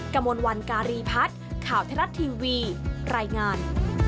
กระมวลวันการีพัฒน์ข่าวไทยรัฐทีวีรายงาน